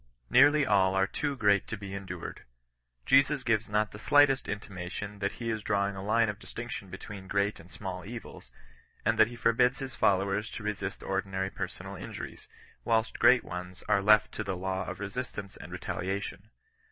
Nearly all are too great to be endured. Jesus gives not the slight est intimation that he is drawing a line of distinction between great and small evils ; and that he forbids his followers to resist ordinary persoiud injuries, whDst great ones are left to the law of resistance and retaliation.